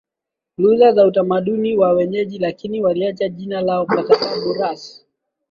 lugha na utamaduni wa wenyeji lakini waliacha jina lao kwa sababu Rus